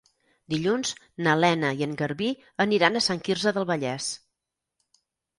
Dilluns na Lena i en Garbí aniran a Sant Quirze del Vallès.